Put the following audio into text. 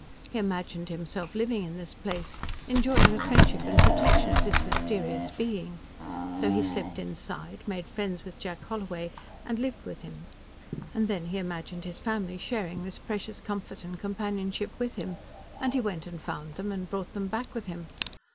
He imagined himself living in this place, enjoying the friendship and protection of this mysterious being. So he slipped inside, made friends with Jack Holloway and lived with him. And then he imagined his family sharing this precious comfort and companionship with him, and he went and found them and brought them back with him.